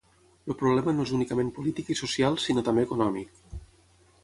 El problema no és únicament polític i social, sinó també econòmic.